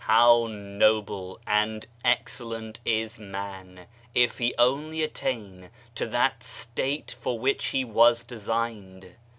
How noble and excellent is man, if he only attain to that state for which he was designed.